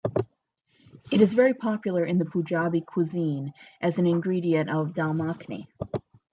It is very popular in the Punjabi cuisine, as an ingredient of "dal makhani".